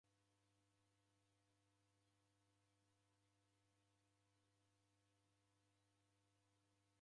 Da idana malagho ghakaia wada?